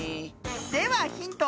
ではヒント。